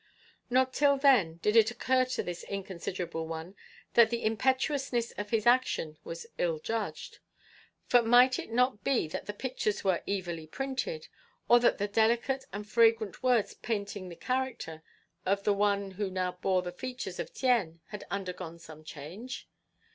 Not till then did it occur to this inconsiderable one that the impetuousness of his action was ill judged; for might it not be that the pictures were evilly printed, or that the delicate and fragrant words painting the character of the one who now bore the features of Tien had undergone some change?